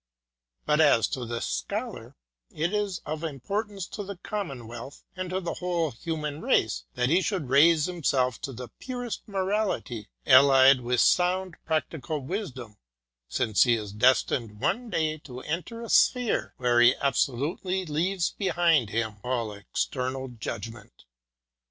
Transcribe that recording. But as for the Scholar, it is of importance to the commonwealth and to the whole human race that he should raise himself to the purest morality, allied with sound prac tical wisdom, since he is destined one day to enter a sphere where he absolutely leaves behind him all external judg ment.